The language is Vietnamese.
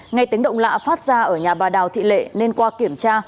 nghe tiếng động lạ phát ra ở nhà bà đào thị lệ nên qua kiểm tra